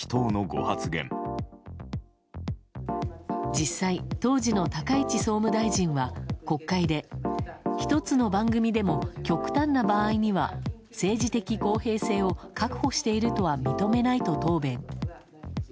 実際、当時の高市総務大臣は国会で１つの番組でも、極端な場合には政治的公平性を確保しているとは認めないと答弁。